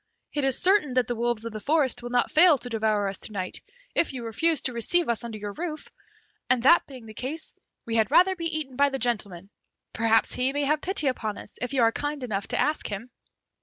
It is certain that the wolves of the forest will not fail to devour us to night, if you refuse to receive us under your roof, and that being the case, we had rather be eaten by the gentleman; perhaps he may have pity upon us, if you are kind enough to ask him."